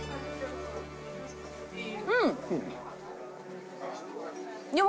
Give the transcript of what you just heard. うん。